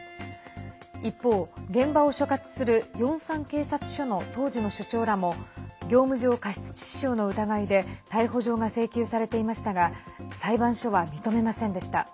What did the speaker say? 一方、現場を所轄するヨンサン警察署の当時の所長らも業務上過失致死傷の疑いで逮捕状が請求されていましたが裁判所は認めませんでした。